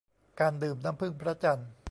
การดื่มน้ำผึ้งพระจันทร์